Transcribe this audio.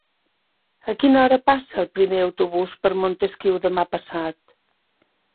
A quina hora passa el primer autobús per Montesquiu demà passat?